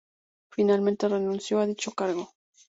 Finalmente, renunció a dicho cargo.